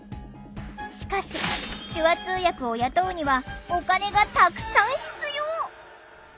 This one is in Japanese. しかし手話通訳を雇うにはお金がたくさん必要。